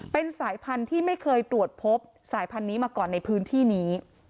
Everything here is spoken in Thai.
เป็นสายพันธุ์ที่ไม่เคยตรวจพบสายพันธุ์นี้มาก่อนในพื้นที่นี้